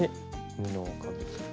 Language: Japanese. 布をかぶせて。